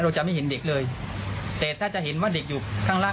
เราจะไม่เห็นเด็กเลยแต่ถ้าจะเห็นว่าเด็กอยู่ข้างล่าง